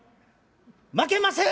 まけません！